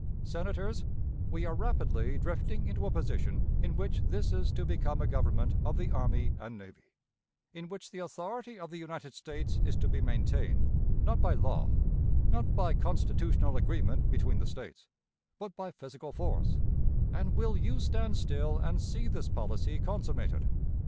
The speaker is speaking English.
Senators, we are rapidly drifting into a position in which this is to become a government of the army and navy; in which the authority of the United States is to be maintained, not by law, not by constitutional agreement between the States, but by physical force; and will you stand still and see this policy consummated?